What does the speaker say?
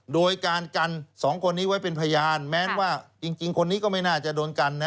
โดยการกันสองคนนี้ไว้เป็นพยานแม้ว่าจริงคนนี้ก็ไม่น่าจะโดนกันนะ